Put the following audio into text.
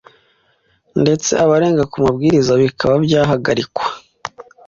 ndetse abarenga ku mabwiriza bikaba byahagarikwa.